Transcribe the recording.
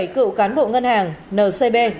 một mươi bảy cựu cán bộ ngân hàng ncb